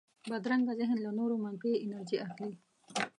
بدرنګه ذهن له نورو منفي انرژي اخلي